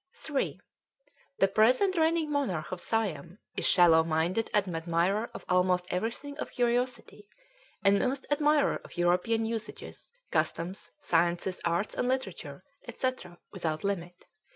"3. The present reigning Monarch of Siam is shallow minded and admirer of almost everything of curiosity, and most admirer of European usages, customs, sciences, arts and literature &c, without limit.